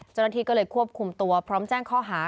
เจ้าหน้าที่ก็เลยควบคุมตัวพร้อมแจ้งข้อหา